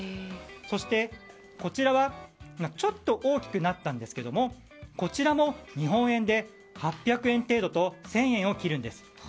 そして、こちらはちょっと大きくなったんですけどもこちらも日本円で８００円程度と１０００円を切るんです。